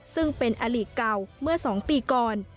ซึ่งเป็นอลิเก่าเมื่อ๒ปีก่อน